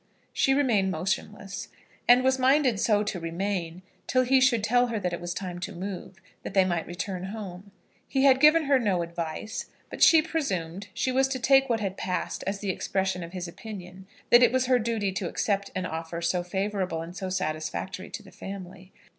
She remained motionless, and was minded so to remain till he should tell her that it was time to move, that they might return home. He had given her no advice; but she presumed she was to take what had passed as the expression of his opinion that it was her duty to accept an offer so favourable and so satisfactory to the family.